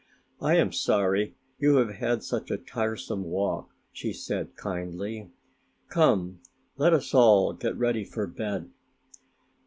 "I am sorry you have had such a tiresome walk," she said kindly; "come let us all get ready for bed."